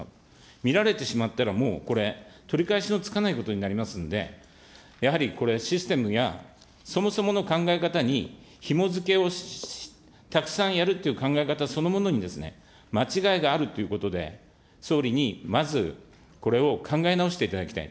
見られてしまったら、もう、これ、取り返しのつかないことになりますんで、やはりこれ、システムやそもそもの考え方にひも付けをたくさんやるって考え方そのものにですね、間違いがあるということで、総理にまず、これを考え直していただきたい。